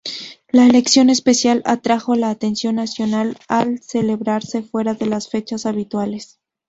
La elección especial atrajo la atención nacional al celebrarse fuera de las fechas habituales.